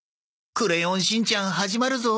『クレヨンしんちゃん』始まるぞ。